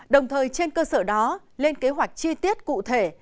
đồng thời trên cơ sở đó lên kế hoạch chi tiết cụ thể